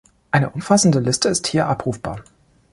Eine umfassende Liste ist hier abrufbar.